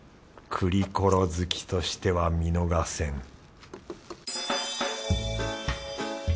クリコロ好きとしては見逃せん